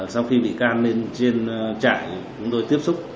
sau khi bị can lên trên trại chúng tôi tiếp xúc